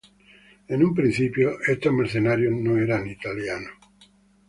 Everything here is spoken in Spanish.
En un principio, estos mercenarios no eran italianos.